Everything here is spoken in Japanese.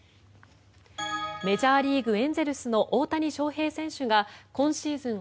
メジャーリーグエンゼルスの大谷翔平選手が今シーズン